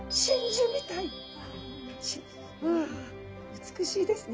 美しいですね。